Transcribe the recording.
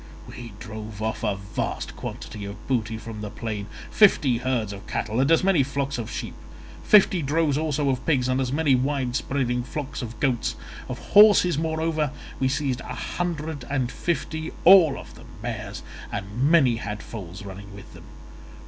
We drove off a vast quantity of booty from the plain, fifty herds of cattle and as many flocks of sheep; fifty droves also of pigs, and as many wide spreading flocks of goats. Of horses, moreover, we seized a hundred and fifty, all of them mares, and many had foals running with them.